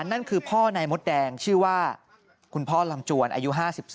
นั่นคือพ่อนายมดแดงชื่อว่าคุณพ่อลำจวนอายุ๕๒